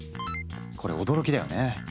これ驚きだよね。